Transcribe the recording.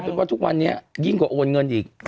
เป็นว่าทุกวันนี้ยิ่งกว่าโอนเงินอีก